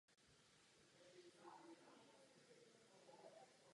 Později se nový symbol státu prosadil definitivně.